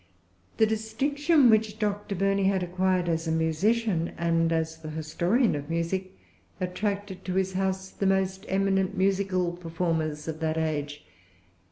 The distinction which Dr. Burney had acquired as a musician, and as the historian of music, attracted to his house the most eminent musical performers of that age.